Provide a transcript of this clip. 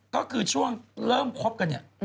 ก็คือช่วงเริ่มคบกันเนี่ย